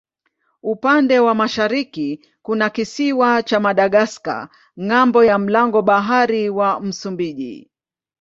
Upande wa mashariki kuna kisiwa cha Madagaska ng'ambo ya mlango bahari wa Msumbiji.